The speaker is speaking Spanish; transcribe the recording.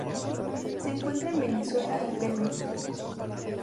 Se encuentra en Venezuela y Perú.